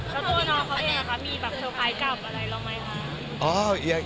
แล้วตัวน้องเขาเนี่ยมีเซอร์ไพรส์กลับอะไรหรือไม่คะ